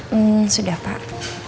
hmm sudah pak